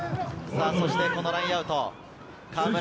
そしてこのラインアウト。